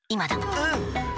うん！